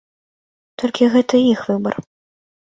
Толькі гэта іх выбар.